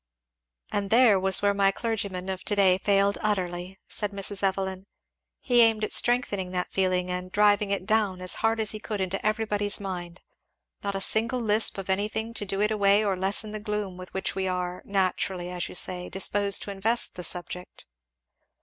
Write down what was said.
"And there was where my clergyman of to day failed utterly," said Mrs. Evelyn; "he aimed at strengthening that feeling and driving it down as hard as he could into everybody's mind not a single lisp of anything to do it away or lessen the gloom with which we are, naturally as you say, disposed to invest the subject."